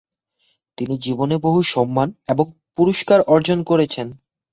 তিনি জীবনে বহু সম্মান এবং পুরস্কার অর্জন করেছেন।